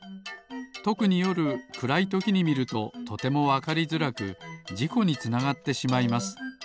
とくによるくらいときにみるととてもわかりづらくじこにつながってしまいます。